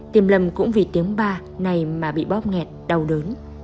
tìm lâm cũng vì tiếng ba này mà bị bóp nghẹt đau đớn